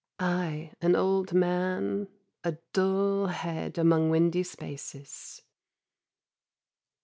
I an old man, A dull head among windy spaces.